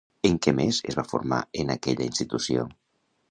En què més es va formar en aquella institució?